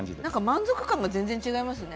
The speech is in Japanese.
満足感が全然、違いますね。